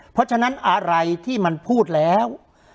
เพราะฉะนั้นอะไรที่มันพูดแล้ว